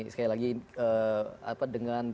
sekali lagi apa dengan